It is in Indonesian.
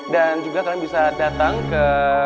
dan juga kalian bisa datang ke